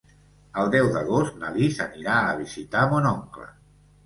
El deu d'agost na Lis anirà a visitar mon oncle.